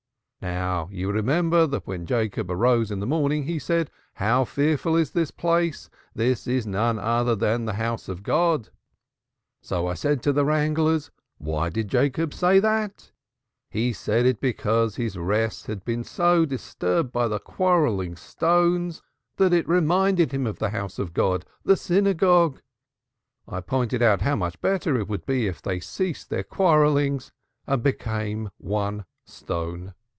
'Now you remember that when Jacob arose in the morning he said: 'How fearful is this place; this is none other than the House of God.' So I said to the wranglers: 'Why did Jacob say that? He said it because his rest had been so disturbed by the quarrelling stones that it reminded him of the House of God the Synagogue.' I pointed out how much better it would be if they ceased their quarrellings and became one stone.